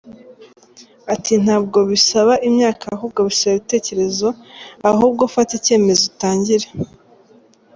Ati “Ntabwo bisaba imyaka ahubwo bisaba ibitekerezo ,ahubwo fata icyemezo utangire”.